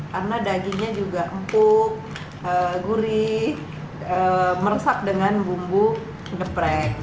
karena dagingnya juga empuk gurih meresap